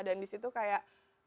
dan disitu kayak